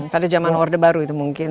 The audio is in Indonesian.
pada zaman orde baru itu mungkin